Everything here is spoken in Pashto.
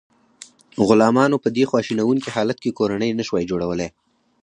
غلامانو په دې خواشینونکي حالت کې کورنۍ نشوای جوړولی.